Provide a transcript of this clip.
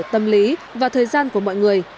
tâm lý và thời gian của mọi người